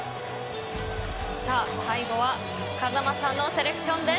最後は風間さんのセレクションです。